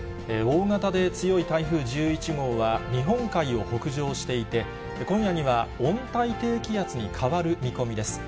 大型で強い台風１１号は、日本海を北上していて、今夜には温帯低気圧に変わる見込みです。